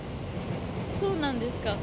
そうなんですか。